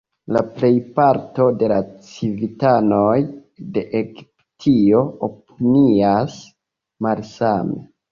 La plejparto de la civitanoj de Egiptio opinias malsame.